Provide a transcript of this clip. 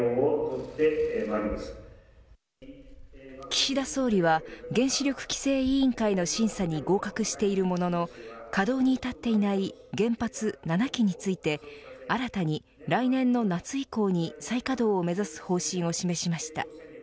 岸田総理は原子力規制委員会の審査に合格しているものの稼働に至っていない原発７基について新たに、来年の夏以降に再稼働を目指す方針を示しました。